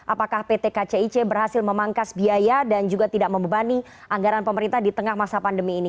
apakah pt kcic berhasil memangkas biaya dan juga tidak membebani anggaran pemerintah di tengah masa pandemi ini